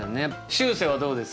しゅうせいはどうですか？